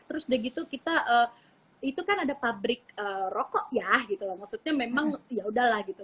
terus udah gitu kita itu kan ada pabrik rokok ya gitu loh maksudnya memang yaudahlah gitu